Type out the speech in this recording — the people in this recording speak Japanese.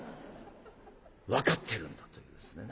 分かってるんだというですね。